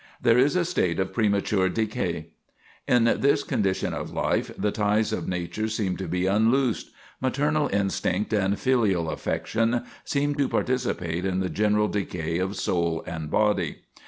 There is a state of premature decay. "In this condition of life the ties of nature seem to be unloosed. Maternal instinct and filial affection seem to participate in the general decay of soul and body.